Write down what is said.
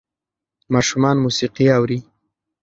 ماشومان موسیقي اوري.